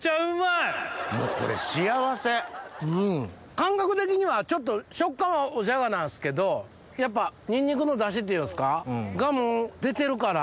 感覚的にはちょっと食感はおジャガなんすけどやっぱニンニクのダシっていうんすか？がもう出てるから。